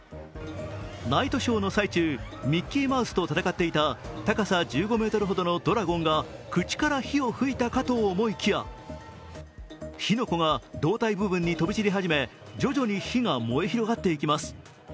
ナイトショーの最中、ミッキーマウスと戦っていた高さ１５ｍほどのドラゴンが口から火を噴いたと思いきや火の粉が胴体部分に飛び散り始め徐々に火が燃え広がっていきます。